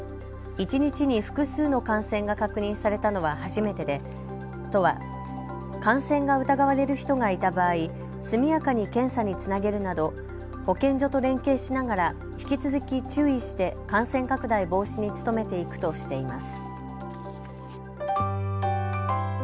一日に複数の感染が確認されたのは初めてで都は感染が疑われる人がいた場合、速やかに検査につなげるなど保健所と連携しながら引き続き注意して感染拡大防止に努めていくとしています。